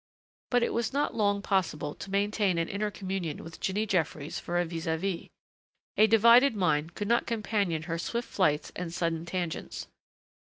But it was not long possible to maintain an inner communion with Jinny Jeffries for a vis à vis. A divided mind could not companion her swift flights and sudden tangents.